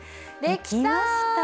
できました。